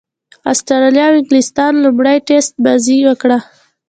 اسټراليا او انګليستان لومړۍ ټېسټ بازي وکړه.